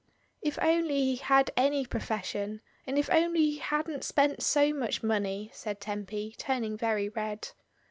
"If only he had any profession, and if only he hadn't spent so much money," said Tempy, turning very red.